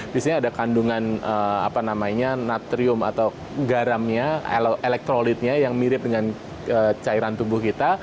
biasanya ada kandungan apa namanya natrium atau garamnya elektrolitnya yang mirip dengan cairan tubuh kita